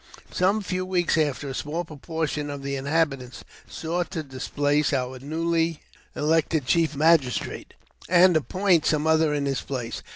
Some few weeks after, a small proportion of the inhabitants sought to displace our newly elected chief magistrate, and appoint some other in his place.